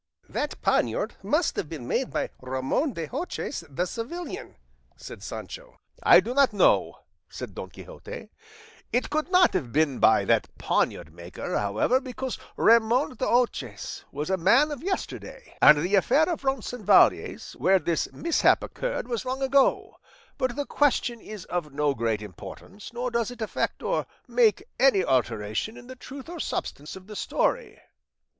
"That poniard must have been made by Ramon de Hoces the Sevillian," said Sancho. "I do not know," said Don Quixote; "it could not have been by that poniard maker, however, because Ramon de Hoces was a man of yesterday, and the affair of Roncesvalles, where this mishap occurred, was long ago; but the question is of no great importance, nor does it affect or make any alteration in the truth or substance of the story."